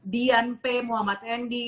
dian p muhammad endi